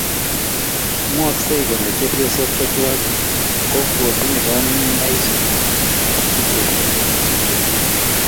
mwaksei kole chepyosok chechwak ko kotinye konaigsu ak tupchoshiek